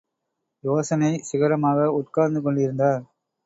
யோசனை சிகரமாக உட்கார்ந்து கொண்டிருந்தார்.